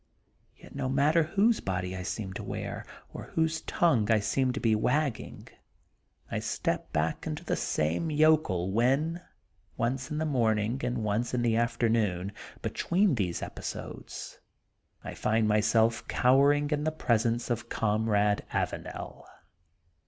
Yet no matter whose body I seem to wear or whose tongue I seem to be wagging, I step back into the same yokel when, once in the morning, and once in the afternoon, between these episodes I find myself cowering in the presence of Comrade Avanel.